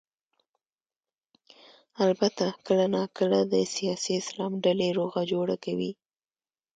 البته کله نا کله د سیاسي اسلام ډلې روغه جوړه کوي.